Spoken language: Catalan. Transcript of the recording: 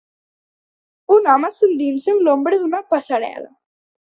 Un home s'endinsa en l'ombra d'una passarel·la.